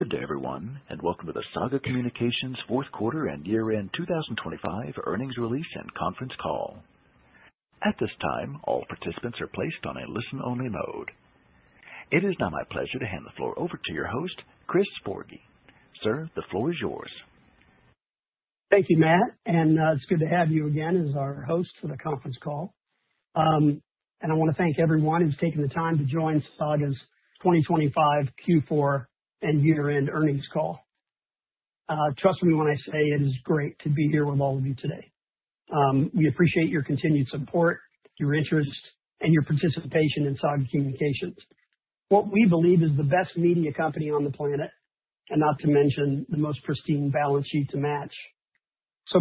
Good day everyone, and welcome to the Saga Communications fourth quarter and year-end 2025 earnings release and conference call. At this time, all participants are placed on a listen-only mode. It is now my pleasure to hand the floor over to your host, Christopher Forgy. Sir, the floor is yours. Thank you, Matt, and it's good to have you again as our host for the conference call. I wanna thank everyone who's taking the time to join Saga's 2025 Q4 and year-end earnings call. Trust me when I say it is great to be here with all of you today. We appreciate your continued support, your interest, and your participation in Saga Communications. What we believe is the best media company on the planet, and not to mention the most pristine balance sheet to match.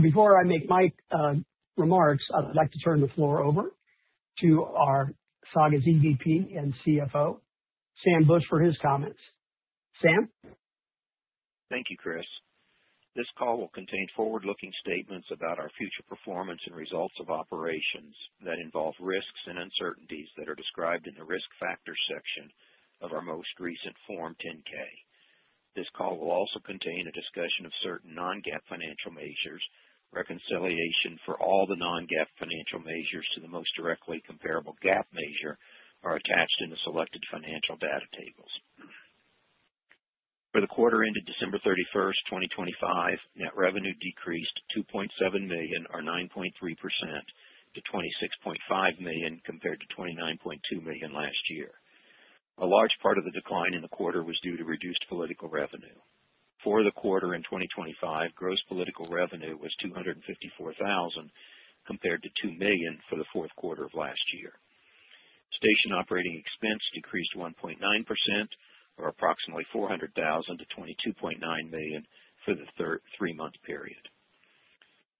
Before I make my remarks, I'd like to turn the floor over to our Saga's EVP and CFO, Sam Bush, for his comments. Sam? Thank you, Chris. This call will contain forward-looking statements about our future performance and results of operations that involve risks and uncertainties that are described in the Risk Factors section of our most recent Form 10-K. This call will also contain a discussion of certain non-GAAP financial measures. Reconciliation for all the non-GAAP financial measures to the most directly comparable GAAP measure are attached in the selected financial data tables. For the quarter ended December 31st, 2025, net revenue decreased $2.7 million or 9.3% to $26.5 million compared to $29.2 million last year. A large part of the decline in the quarter was due to reduced political revenue. For the quarter in 2025, gross political revenue was $254,000 compared to $2 million for the fourth quarter of last year. Station operating expense decreased 1.9% or approximately $400,000 to $22.9 million for the three month period.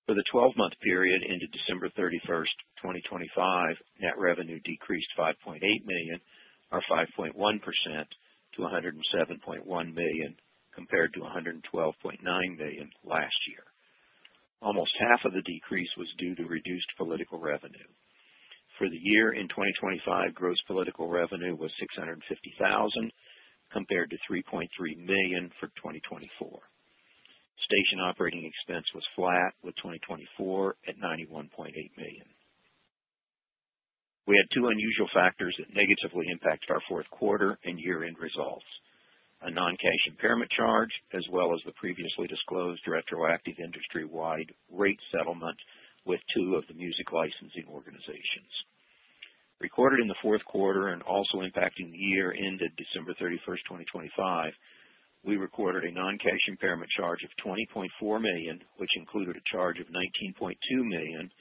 For the 12-month period ended December 31st, 2025, net revenue decreased $5.8 million or 5.1% to $107.1 million compared to $112.9 million last year. Almost half of the decrease was due to reduced political revenue. For the year in 2025, gross political revenue was $650,000 compared to $3.3 million for 2024. Station operating expense was flat with 2024 at $91.8 million. We had two unusual factors that negatively impacted our fourth quarter and year-end results. A non-cash impairment charge, as well as the previously disclosed retroactive industry-wide rate settlement with two of the music licensing organizations. Recorded in the fourth quarter and also impacting the year ended December 31st, 2025, we recorded a non-cash impairment charge of $20.4 million, which included a charge of $19.2 million,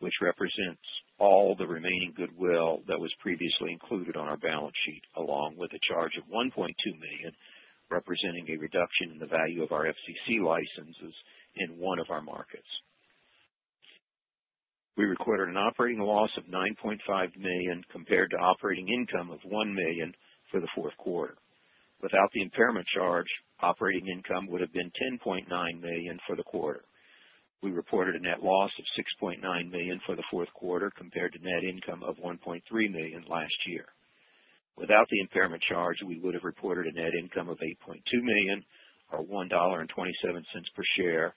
which represents all the remaining goodwill that was previously included on our balance sheet, along with a charge of $1.2 million, representing a reduction in the value of our FCC licenses in one of our markets. We recorded an operating loss of $9.5 million compared to operating income of $1 million for the fourth quarter. Without the impairment charge, operating income would have been $10.9 million for the quarter. We reported a net loss of $6.9 million for the fourth quarter compared to net income of $1.3 million last year. Without the impairment charge, we would have reported a net income of $8.2 million, or $1.27 per share,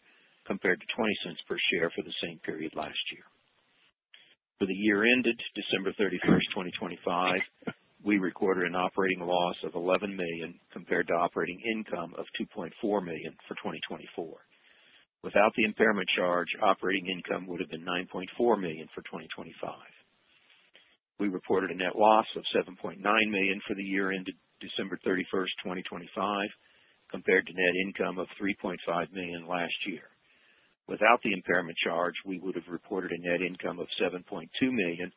compared to $0.20 per share for the same period last year. For the year ended December 31st, 2025, we recorded an operating loss of $11 million compared to operating income of $2.4 million for 2024. Without the impairment charge, operating income would have been $9.4 million for 2025. We reported a net loss of $7.9 million for the year ended December 31st, 2025, compared to net income of $3.5 million last year. Without the impairment charge, we would have reported a net income of $7.2 million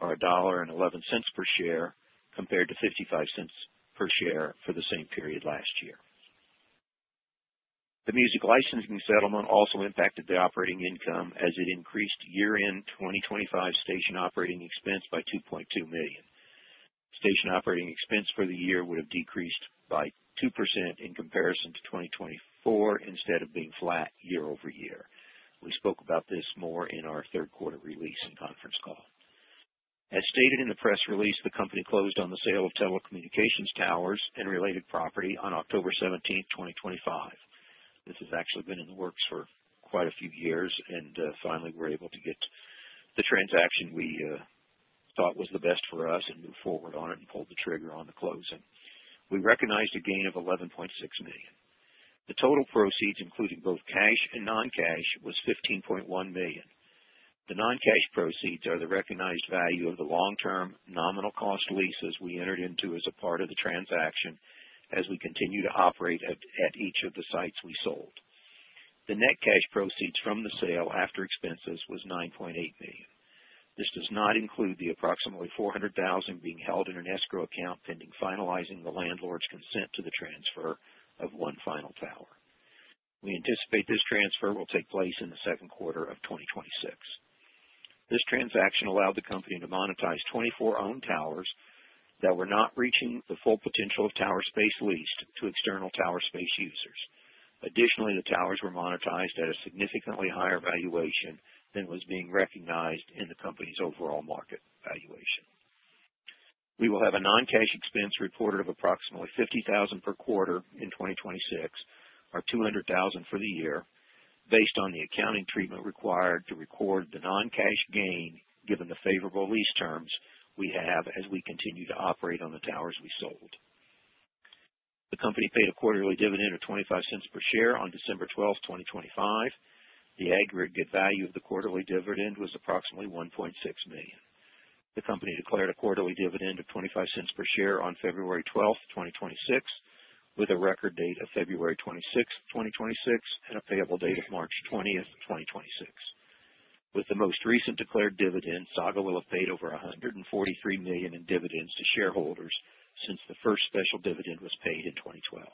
or $1.11 per share compared to $0.55 per share for the same period last year. The music licensing settlement also impacted the operating income as it increased year-end 2025 station operating expense by $2.2 million. Station operating expense for the year would have decreased by 2% in comparison to 2024 instead of being flat year-over-year. We spoke about this more in our third quarter release and conference call. As stated in the press release, the company closed on the sale of telecommunications towers and related property on October 17th, 2025. This has actually been in the works for quite a few years, and finally we're able to get the transaction we thought was the best for us and move forward on it and pull the trigger on the closing. We recognized a gain of $11.6 million. The total proceeds, including both cash and non-cash, was $15.1 million. The non-cash proceeds are the recognized value of the long-term nominal cost leases we entered into as a part of the transaction as we continue to operate at each of the sites we sold. The net cash proceeds from the sale after expenses was $9.8 million. This does not include the approximately $400,000 being held in an escrow account pending finalizing the landlord's consent to the transfer of one final tower. We anticipate this transfer will take place in the second quarter of 2026. This transaction allowed the company to monetize 24 owned towers that were not reaching the full potential of tower space leased to external tower space users. Additionally, the towers were monetized at a significantly higher valuation than was being recognized in the company's overall market valuation. We will have a non-cash expense reported of approximately $50,000 per quarter in 2026 or $200,000 for the year based on the accounting treatment required to record the non-cash gain given the favorable lease terms we have as we continue to operate on the towers we sold. The company paid a quarterly dividend of $0.25 per share on December 12, 2025. The aggregate value of the quarterly dividend was approximately $1.6 million. The company declared a quarterly dividend of $0.25 per share on February 12, 2026, with a record date of February 26, 2026, and a payable date of March 20, 2026. With the most recent declared dividend, Saga will have paid over $143 million in dividends to shareholders since the first special dividend was paid in 2012.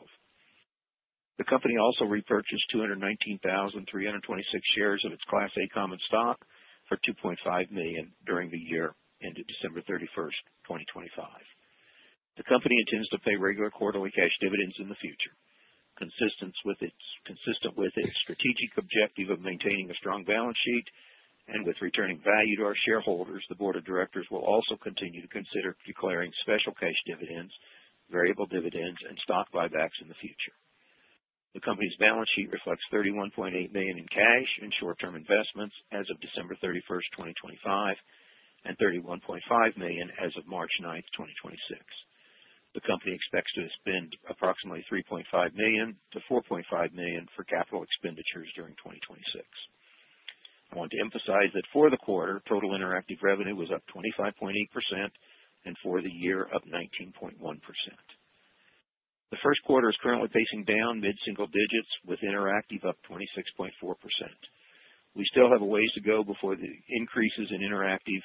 The company also repurchased 219,326 shares of its Class A common stock for $2.5 million during the year ended December 31st, 2025. The company intends to pay regular quarterly cash dividends in the future. Consistent with its strategic objective of maintaining a strong balance sheet and with returning value to our shareholders, the board of directors will also continue to consider declaring special cash dividends, variable dividends, and stock buybacks in the future. The company's balance sheet reflects $31.8 million in cash and short-term investments as of December 31st, 2025, and $31.5 million as of March 9, 2026. The company expects to spend approximately $3.5 million-$4.5 million for capital expenditures during 2026. I want to emphasize that for the quarter, total interactive revenue was up 25.8% and for the year, up 19.1%. The first quarter is currently pacing down mid-single digits with interactive up 26.4%. We still have a ways to go before the increases in interactive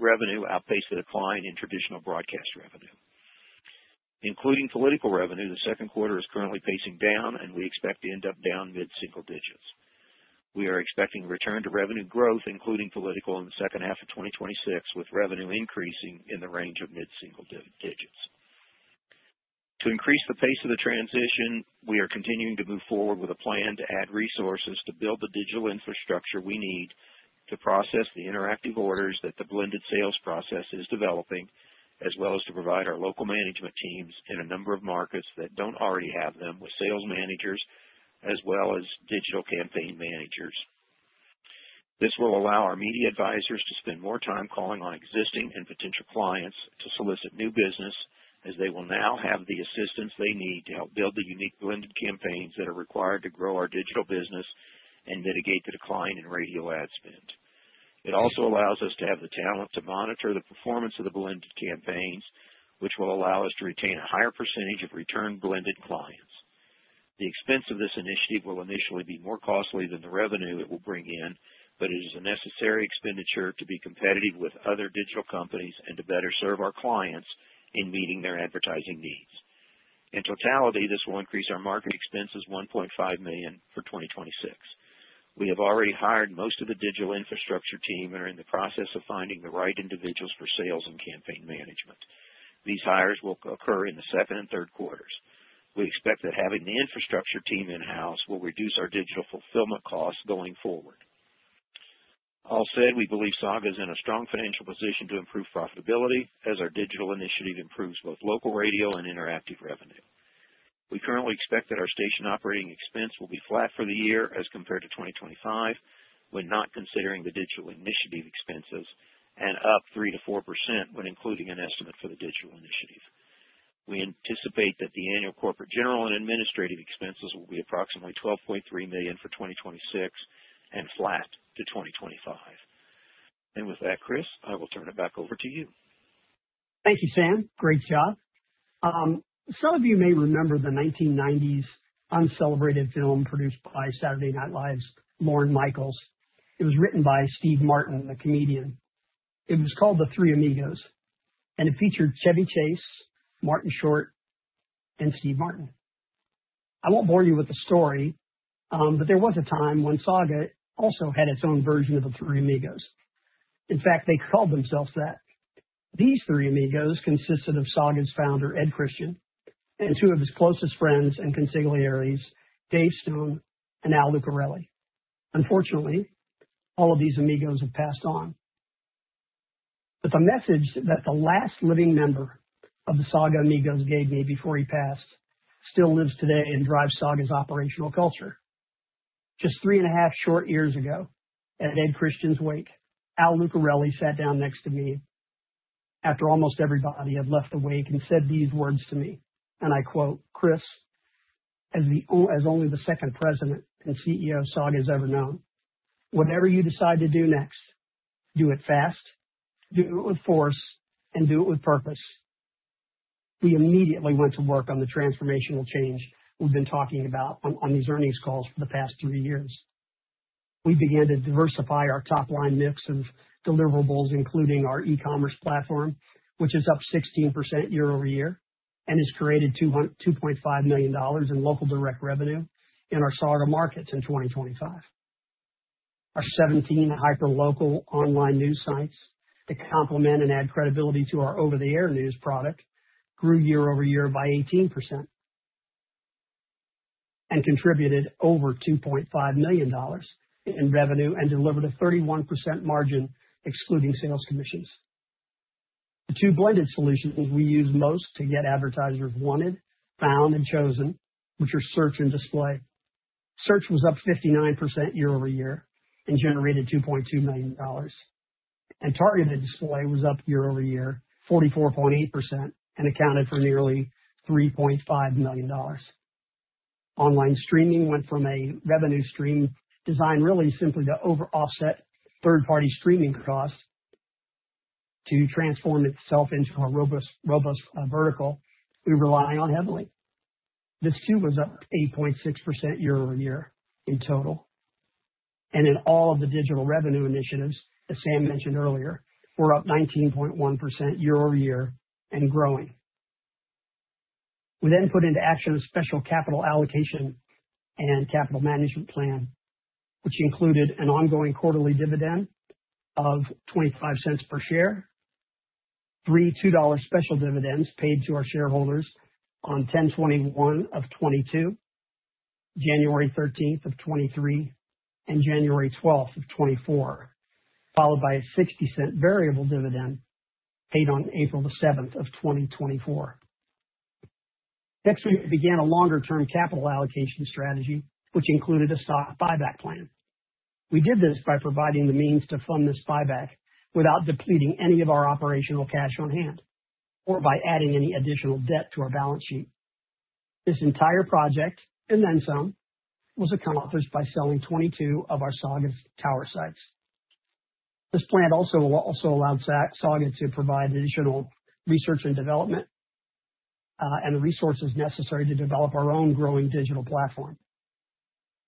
revenue outpace the decline in traditional broadcast revenue. Including political revenue, the second quarter is currently pacing down, and we expect to end up down mid-single digits. We are expecting return to revenue growth, including political in the second half of 2026, with revenue increasing in the range of mid-single digits. To increase the pace of the transition, we are continuing to move forward with a plan to add resources to build the digital infrastructure we need to process the interactive orders that the blended sales process is developing, as well as to provide our local management teams in a number of markets that don't already have them with sales managers as well as digital campaign managers. This will allow our media advisors to spend more time calling on existing and potential clients to solicit new business, as they will now have the assistance they need to help build the unique blended campaigns that are required to grow our digital business and mitigate the decline in radio ad spend. It also allows us to have the talent to monitor the performance of the blended campaigns, which will allow us to retain a higher percentage of return blended clients. The expense of this initiative will initially be more costly than the revenue it will bring in, but it is a necessary expenditure to be competitive with other digital companies and to better serve our clients in meeting their advertising needs. In totality, this will increase our marketing expenses $1.5 million for 2026. We have already hired most of the digital infrastructure team and are in the process of finding the right individuals for sales and campaign management. These hires will occur in the second and third quarters. We expect that having the infrastructure team in-house will reduce our digital fulfillment costs going forward. All said, we believe Saga is in a strong financial position to improve profitability as our digital initiative improves both local radio and interactive revenue. We currently expect that our station operating expense will be flat for the year as compared to 2025, when not considering the digital initiative expenses, and up 3%-4% when including an estimate for the digital initiative. We anticipate that the annual corporate, general, and administrative expenses will be approximately $12.3 million for 2026 and flat to 2025. With that, Chris, I will turn it back over to you. Thank you, Sam. Great job. Some of you may remember the 1990s uncelebrated film produced by Saturday Night Live's Lorne Michaels. It was written by Steve Martin, the comedian. It was called The Three Amigos, and it featured Chevy Chase, Martin Short, and Steve Martin. I won't bore you with the story, but there was a time when Saga also had its own version of The Three Amigos. In fact, they called themselves that. These Three Amigos consisted of Saga's founder, Ed Christian, and two of his closest friends and consiglieres, Dave Stone and Al Lucarelli. Unfortunately, all of these Amigos have passed on. The message that the last living member of the Saga Amigos gave me before he passed still lives today and drives Saga's operational culture. Just three and a half short years ago, at Ed Christian's wake, Al Lucarelli sat down next to me after almost everybody had left the wake and said these words to me, and I quote, "Chris, as only the second president and CEO Saga's ever known, whatever you decide to do next, do it fast, do it with force, and do it with purpose." We immediately went to work on the transformational change we've been talking about on these earnings calls for the past three years. We began to diversify our top-line mix of deliverables, including our e-commerce platform, which is up 16% year over year and has created $2.5 million in local direct revenue in our Saga markets in 2025. Our 17 hyperlocal online news sites to complement and add credibility to our over-the-air news product grew year-over-year by 18% and contributed over $2.5 million in revenue and delivered a 31% margin excluding sales commissions. The two blended solutions we use most to get advertisers wanted, found, and chosen, which are Search and display. Search was up 59% year-over-year and generated $2.2 million. Targeted display was up year-over-year 44.8% and accounted for nearly $3.5 million. Online streaming went from a revenue stream designed really simply to more than offset third-party streaming costs to transform itself into a robust vertical we rely on heavily. This too was up 8.6% year-over-year in total. In all of the digital revenue initiatives, as Sam mentioned earlier, we're up 19.1% year-over-year and growing. We put into action a special capital allocation and capital management plan, which included an ongoing quarterly dividend of $0.25 per share, three $2 special dividends paid to our shareholders on 10/21/2022, January 13th, 2023, and January 12th, 2024. Followed by a $0.60 variable dividend paid on April 7th, 2024. Next, we began a longer-term capital allocation strategy, which included a stock buyback plan. We did this by providing the means to fund this buyback without depleting any of our operational cash on hand or by adding any additional debt to our balance sheet. This entire project, and then some, was accomplished by selling 22 of our Saga tower sites. This plan allowed Saga to provide additional research and development, and the resources necessary to develop our own growing digital platform.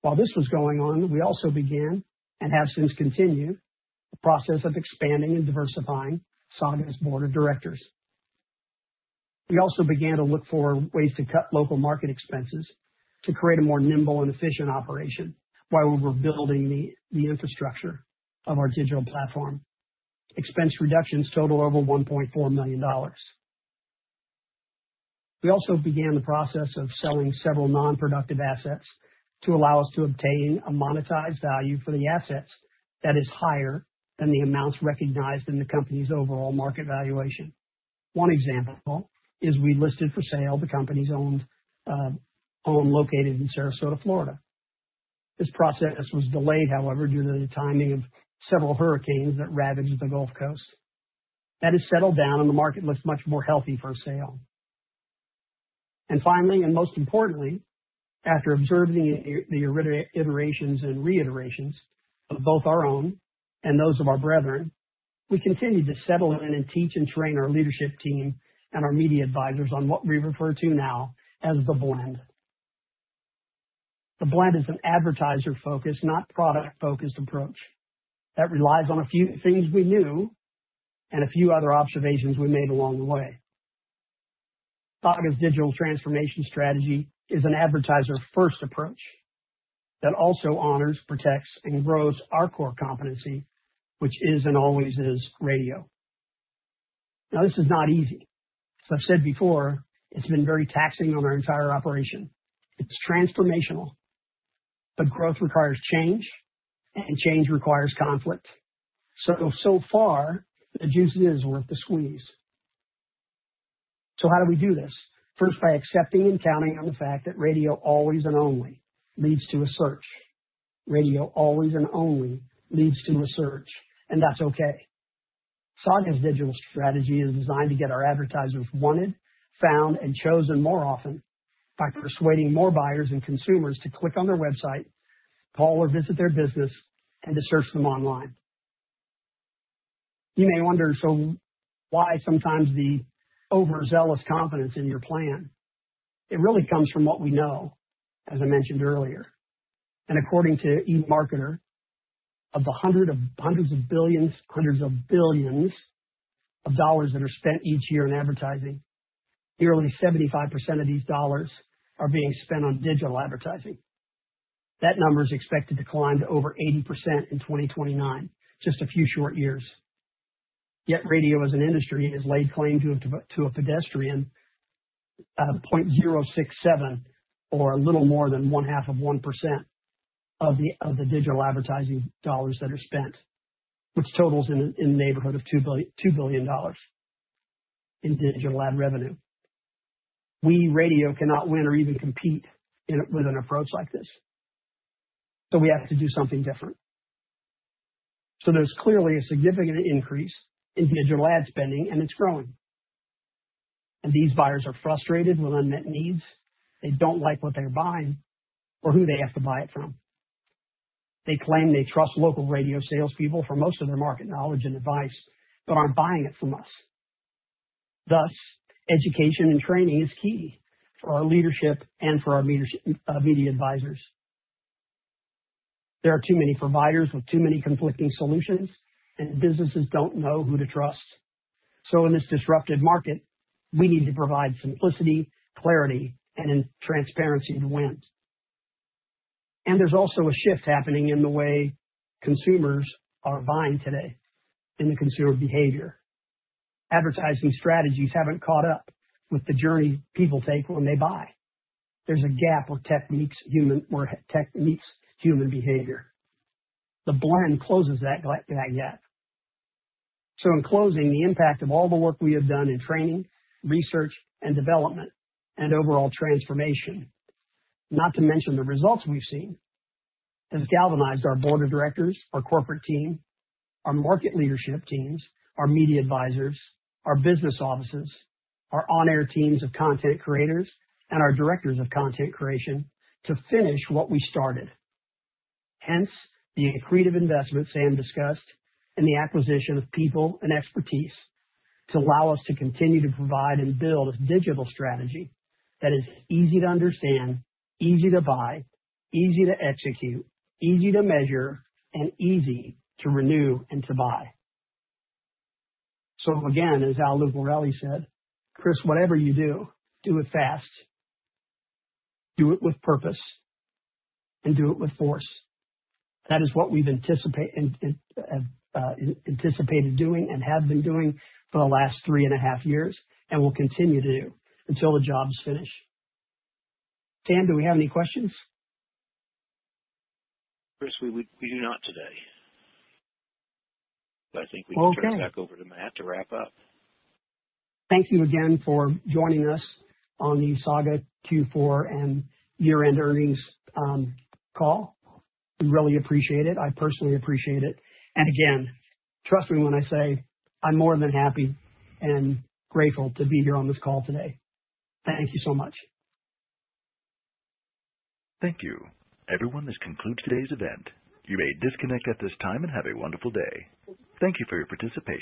While this was going on, we also began, and have since continued, the process of expanding and diversifying Saga's board of directors. We also began to look for ways to cut local market expenses to create a more nimble and efficient operation while we were building the infrastructure of our digital platform. Expense reductions total over $1.4 million. We also began the process of selling several non-productive assets to allow us to obtain a monetized value for the assets that is higher than the amounts recognized in the company's overall market valuation. One example is we listed for sale the company's owned home located in Sarasota, Florida. This process was delayed, however, due to the timing of several hurricanes that ravaged the Gulf Coast. That has settled down, and the market looks much more healthy for a sale. Finally, and most importantly, after observing the iterations and reiterations of both our own and those of our brethren, we continued to settle in and teach and train our leadership team and our media advisors on what we refer to now as the blend. The blend is an advertiser-focused, not product-focused approach that relies on a few things we knew and a few other observations we made along the way. Saga's digital transformation strategy is an advertiser-first approach that also honors, protects, and grows our core competency, which is and always is radio. Now, this is not easy. As I've said before, it's been very taxing on our entire operation. It's transformational, but growth requires change, and change requires conflict. So far the juice is worth the squeeze. How do we do this? First, by accepting and counting on the fact that radio always and only leads to a search. Radio always and only leads to a search, and that's okay. Saga's digital strategy is designed to get our advertisers wanted, found, and chosen more often by persuading more buyers and consumers to click on their website, call or visit their business, and to search them online. You may wonder, so why sometimes the overzealous confidence in your plan? It really comes from what we know, as I mentioned earlier. According to eMarketer, of the hundreds of billions of dollars that are spent each year in advertising, nearly 75% of these dollars are being spent on digital advertising. That number is expected to climb to over 80% in 2029, just a few short years. Yet radio as an industry has laid claim to a pedestrian 0.067 or a little more than one half of 1% of the digital advertising dollars that are spent, which totals in the neighborhood of $2 billion in digital ad revenue. We radio cannot win or even compete with an approach like this. We have to do something different. There's clearly a significant increase in digital ad spending, and it's growing. These buyers are frustrated with unmet needs. They don't like what they're buying or who they have to buy it from. They claim they trust local radio salespeople for most of their market knowledge and advice, but aren't buying it from us. Thus, education and training is key for our leadership and media advisors. There are too many providers with too many conflicting solutions, and businesses don't know who to trust. In this disrupted market, we need to provide simplicity, clarity, and transparency to win. There's also a shift happening in the way consumers are buying today in the consumer behavior. Advertising strategies haven't caught up with the journey people take when they buy. There's a gap where tech meets human behavior. The brand closes that gap. In closing, the impact of all the work we have done in training, research, and development and overall transformation, not to mention the results we've seen, has galvanized our board of directors, our corporate team, our market leadership teams, our media advisors, our business offices, our on-air teams of content creators, and our directors of content creation to finish what we started. Hence, the accretive investments Sam discussed and the acquisition of people and expertise to allow us to continue to provide and build a digital strategy that is easy to understand, easy to buy, easy to execute, easy to measure, and easy to renew and to buy. Again, as Al Lucarelli said, "Chris, whatever you do it fast, do it with purpose, and do it with force." That is what we've anticipated doing and have been doing for the last three and a half years and will continue to do until the job is finished. Sam, do we have any questions? Chris, we do not today. I think we can turn it back over to Matt to wrap up. Thank you again for joining us on the Saga Q4 and year-end earnings, call. We really appreciate it. I personally appreciate it. Again, trust me when I say I'm more than happy and grateful to be here on this call today. Thank you so much. Thank you. Everyone, this concludes today's event. You may disconnect at this time and have a wonderful day. Thank you for your participation.